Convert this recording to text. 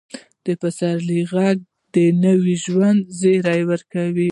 د پسرلي ږغ د نوي ژوند زیری ورکوي.